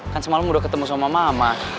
kan semalam udah ketemu sama mama